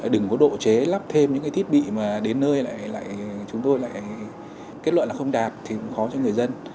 đừng có độ chế lắp thêm những cái thiết bị mà đến nơi lại chúng tôi lại kết luận là không đạt thì cũng khó cho người dân